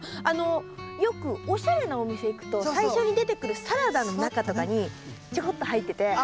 あのよくおしゃれなお店行くと最初に出てくるサラダの中とかにちょこっと入ってて。